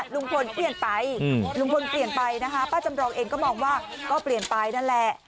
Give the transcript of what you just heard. ลุงพลเปลี่ยนไปนะคะป้าจำลองเองก็มองว่าก็เปลี่ยนไปนั่นแหละ